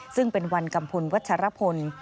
ซึ่งเป็นวันกัมพลวัชรพล